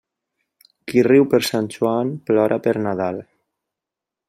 Qui riu per Sant Joan, plora per Nadal.